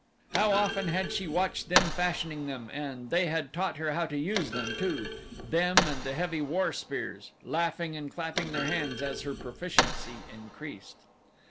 How often had she watched them fashioning them, and they had taught her how to use them, too them and the heavy war spears laughing and clapping their hands as her proficiency increased.